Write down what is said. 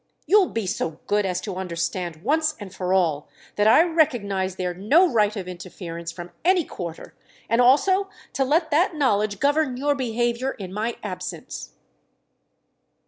You'll be so good as to understand, once for all, that I recognise there no right of interference from any quarter—and also to let that knowledge govern your behaviour in my absence."